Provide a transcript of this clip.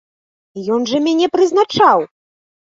Ён жа мяне прызначаў!